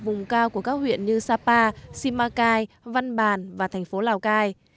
vùng cao của các huyện như sapa simacai văn bàn và thành phố lào cai